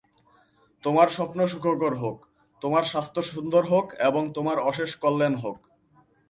তোমার স্বপ্ন সুখকর হোক, তোমার স্বাস্থ্য সুন্দর হোক এবং তোমার অশেষ কল্যাণ হোক।